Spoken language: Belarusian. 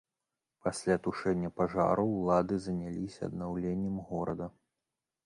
Пасля тушэння пажару ўлады заняліся аднаўленнем горада.